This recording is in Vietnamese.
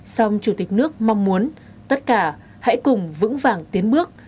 song chủ tịch nước mong muốn tất cả hãy cùng vững vàng tiến bước